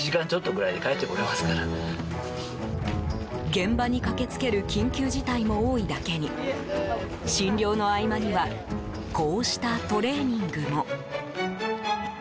現場に駆けつける緊急事態も多いだけに診療の合間にはこうしたトレーニングも。